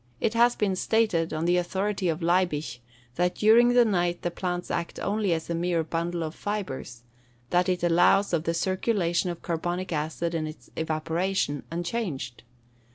It has been stated, on the authority of Leibig, that during the night the plant acts only as a mere bundle of fibres that it allows of the circulation of carbonic acid and its evaporation, unchanged.